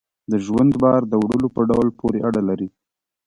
د ژوند بار د وړلو په ډول پورې اړه لري.